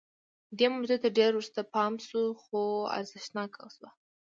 دې موضوع ته ډېر وروسته پام شو خو ارزښتناکه شوه